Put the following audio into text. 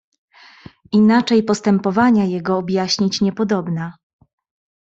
"Inaczej postępowania jego objaśnić niepodobna."